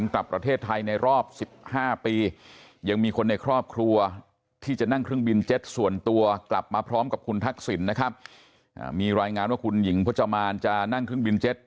กับคุณทักษิณนะครับมีรายงานว่าคุณหญิงพจมานจะนั่งเครื่องบินเจ็ต